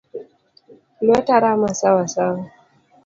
Lueta rama Sawa sawa.